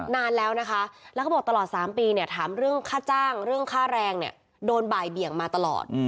นานแล้วนะคะแล้วเขาบอกตลอด๓ปีเนี่ยถามเรื่องค่าจ้างเรื่องค่าแรงเนี่ยโดนบ่ายเบี่ยงมาตลอด